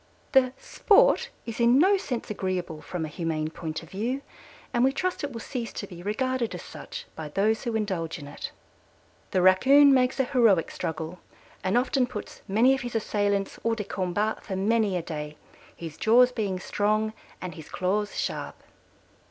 The "sport" is in no sense agreeable from a humane point of view, and we trust it will cease to be regarded as such by those who indulge in it. "The Raccoon makes a heroic struggle and often puts many of his assailants hors de combat for many a day, his jaws being strong and his claws sharp."